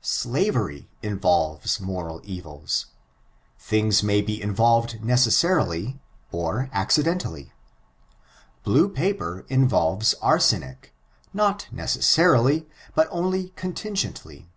Slavery involves moral evils. Things may be involved necessarily or (tccidenUUly. Blue paper involves arsenic; not necessa^ rily, but only contingendy.